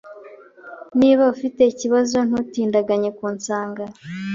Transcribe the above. Niba ufite ikibazo, ntutindiganye kunsanga.